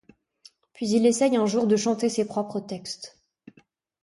Puis il essaye un jour de chanter ses propres textes.